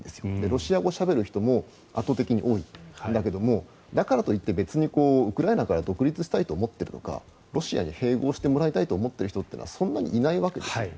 ロシア語をしゃべる人も圧倒的に多いんだけれどもだからといって、別にウクライナから独立したいと思っているのかロシアに併合してもらいたいと思ってる人はそんなにいないわけです。